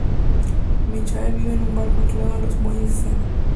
Michele vive en un barco anclado en los muelles del Sena.